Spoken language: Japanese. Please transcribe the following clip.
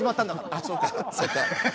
あっそうか。